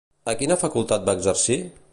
A quina facultat va exercir?